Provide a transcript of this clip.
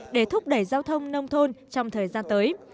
để thúc đẩy giao thông nông thôn trong thời gian tới